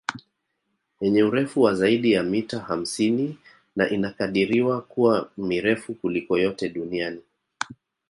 Yenye urefu wa zaidi ya mita hamsini na inakadiriwa kuwa mirefu kuliko yote duniani